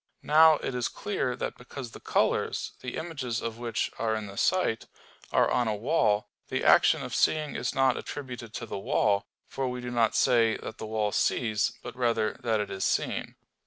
Now it is clear that because the colors, the images of which are in the sight, are on a wall, the action of seeing is not attributed to the wall: for we do not say that the wall sees, but rather that it is seen.